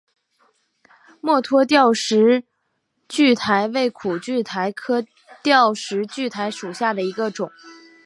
墨脱吊石苣苔为苦苣苔科吊石苣苔属下的一个种。